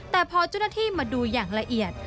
แต่พอเจ้าหน้าที่มาดูอย่างละเอียด